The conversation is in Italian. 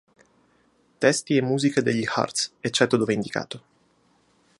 Testi e musiche degli Hurts, eccetto dove indicato.